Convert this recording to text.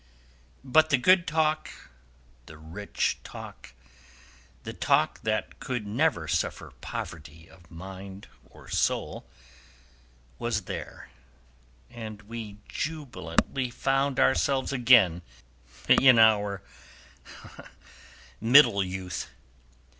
But the good talk, the rich talk, the talk that could never suffer poverty of mind or soul, was there, and we jubilantly found ourselves again in our middle youth.